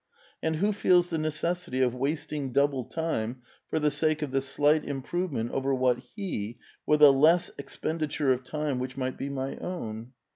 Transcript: And who feels the necessity of wasting double time for the sake of the slight improvement over what he, with a less expenditure of time which might be my own